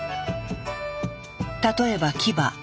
例えば牙。